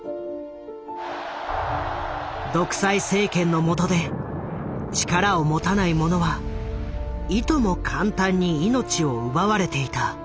独裁政権の下で力を持たない者はいとも簡単に命を奪われていた。